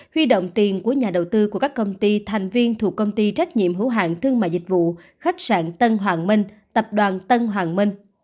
huy động tiền của nhà đầu tư của các công ty thành viên thuộc công ty trách nhiệm hữu hạng thương mại dịch vụ khách sạn tân hoàng minh tập đoàn tân hoàng minh